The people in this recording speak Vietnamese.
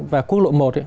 và quốc lộ một ấy